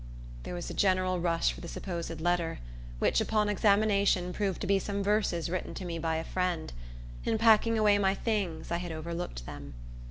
There was a general rush for the supposed letter, which, upon examination, proved to be some verses written to me by a friend. In packing away my things, I had overlooked them.